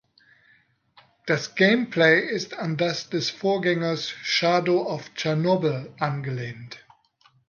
Das Gameplay ist an das des Vorgängers "Shadow of Chernobyl" angelehnt.